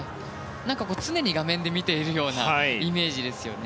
常に画面で見ているようなイメージですよね。